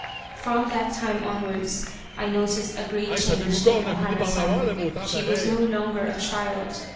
'' From that time onwards I noticed a great change in O Hana San. She was no longer a child.